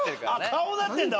顔になってんだ。